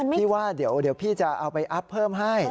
พี่ว่าเดี๋ยวพี่จะเอาไปอัพเพิ่มให้